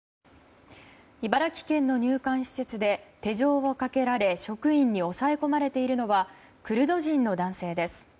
茨城県の入管施設で手錠をかけられ職員に押さえ込まれているのはクルド人の男性です。